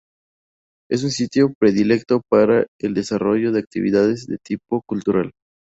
Es un sitio predilecto para el desarrollo de actividades de tipo cultural.